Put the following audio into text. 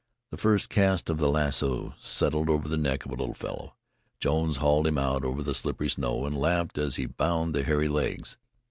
The first cast of the lasso settled over the neck of a little fellow. Jones hauled him out over the slippery snow and laughed as he bound the hairy legs.